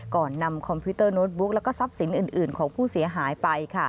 ก่อนนำคอมพิวเตอร์โน้ตบุ๊กแล้วก็ทรัพย์สินอื่นของผู้เสียหายไป